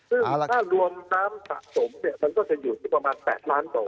ซึ่งค่ารวมน้ำสะสมเนี่ยมันก็จะอยู่ประมาณ๘ล้านบาทนะครับ